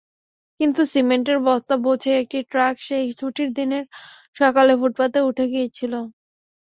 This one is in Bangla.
কিন্তু সিমেন্টের বস্তা বোঝাই একটি ট্রাক সেই ছুটির দিনের সকালে ফুটপাতে উঠে গিয়েছিল।